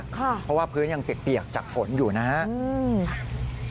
เพราะว่าพื้นยังเปียกจากฝนอยู่นะครับ